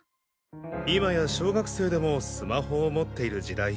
今や小学生でもスマホを持っている時代。